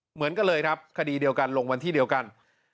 เหมือนกันเลยครับคดีเดียวกันลงวันที่เดียวกัน